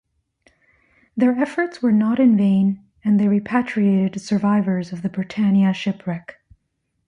Their efforts were not vain and they repatriated survivors of the Britannia shipwreck.